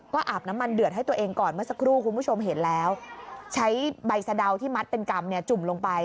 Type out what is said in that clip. ก็อาบน้ำมันเดือดให้ตัวเองก่อนเมื่อสักครู่คุณผู้ชมเห็นแล้วใช้ใบสะดาวที่มัดเป็นกรรมเนี่ยจุ่มลงไป